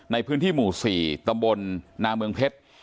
ในพื้นที่หมู่๔ตำบลนาเมืองเพชร